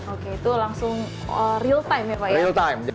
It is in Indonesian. oke itu langsung real time ya pak ya